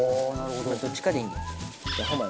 どっちかでいいんだよ。